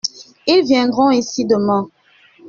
Ils viendront ici demain ?